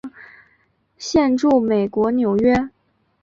现住美国纽约。